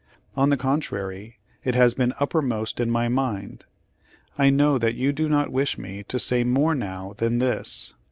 On the contrary, it has been uppermost in my mind. I know that you do not wish me to say more now than this.